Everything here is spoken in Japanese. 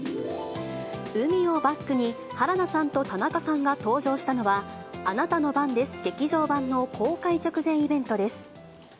海をバックに、原田さんと田中さんが登場したのは、あなたの番です劇場版の公開直前イベントです。